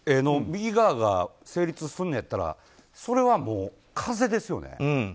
右側が成立するんやったらそれはもう風邪ですよね。